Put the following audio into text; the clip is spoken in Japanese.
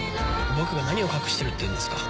「僕が何を隠してるっていうんですか？」